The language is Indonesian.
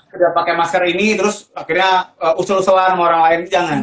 tidak pakai masker ini terus akhirnya usul usulan sama orang lain jangan